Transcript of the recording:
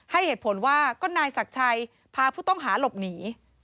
ให้เหตุผลว่าก็นายศักดิ์ชัยพาผู้ต้องหาหลบหนี